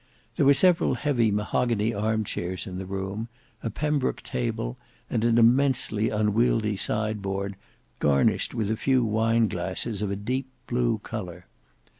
There were several heavy mahogany arm chairs in the room, a Pembroke table, and an immense unwieldy sideboard, garnished with a few wine glasses of a deep blue colour.